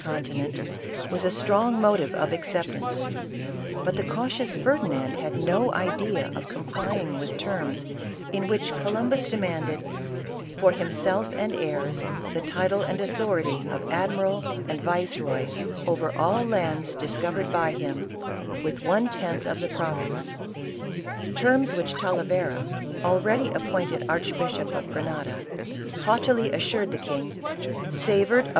conti nent, was a strong motive of acceptance ; but the cau tious Ferdinand had no idea of complying with terms in which Columbus demanded " for himself and heirs, the title and authority of Admiral and Yiceroy over all lands discovered by him with one tenth of the profits" — terms which Talavera, already appointed Archbishop of Grenada, haughtily assured the king, " savored of ISABELLA OF CASTILE.